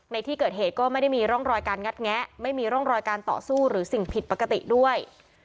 ในที่เกิดเหตุก็ไม่ได้มีร่องรอยการงัดแงะไม่มีร่องรอยการต่อสู้หรือสิ่งผิดปกติด้วย